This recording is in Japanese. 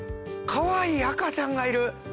かわいい赤ちゃんがいる。